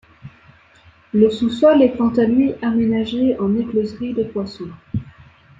Le sous-sol est quant-à lui aménagé en écloserie de poisson.